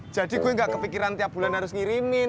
jadi gue nggak kepikiran tiap bulan harus ngirimin